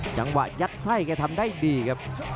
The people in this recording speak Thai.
จังหวะยัดไส้เข้าทำได้ดีครับ